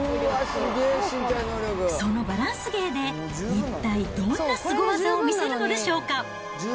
そのバランス芸で、一体どんなスゴ技を見せるのでしょうか。